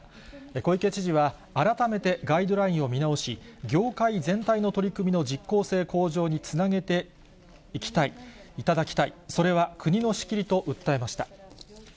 小池知事は、改めてガイドラインを見直し、業界全体の取り組みの実効性向上につなげていただきたい、それは国の仕切りと訴えました。